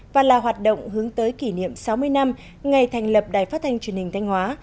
và là hoạt động hướng tới kỷ niệm sáu mươi năm ngày thành lập đài phát thanh truyền hình thanh hóa